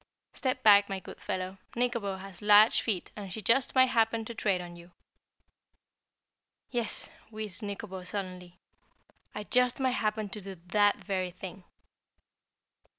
"Step back, my good fellow, Nikobo has large feet and she just might happen to tread on you." "Yes," wheezed Nikobo sullenly, "I just might happen to do that very thing."